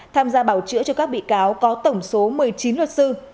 tham gia bảo chữa cho các bị cáo có tổng số một mươi chín luật sư